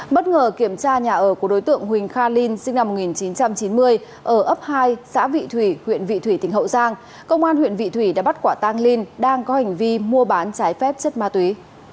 bất ngờ kiểm tra nhà ở của đối tượng huỳnh kha linh sinh năm một nghìn chín trăm chín mươi ở ấp hai xã vị thủy huyện vị thủy tỉnh hậu giang công an huyện vị thủy đã bắt quả tang linh đang có hành vi mua bán trái phép chất ma túy